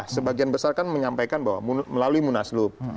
sebagian besar kan menyampaikan bahwa melalui munaslup